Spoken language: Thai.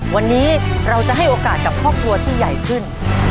วันนี้เราจะให้โอกาสกับครอบครัวที่ใหญ่ขึ้น